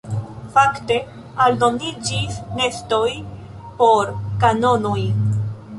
Fakte aldoniĝis nestoj por kanonoj.